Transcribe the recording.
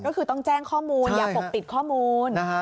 ก็คือต้องแจ้งข้อมูลใช่ฮะอย่าปกปิดข้อมูลนะฮะ